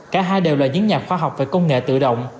cả hai đều là những nhà khoa học về công nghệ tự động